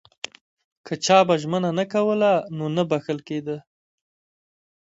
که چا به ژمنه نه کوله نو نه بخښل کېده.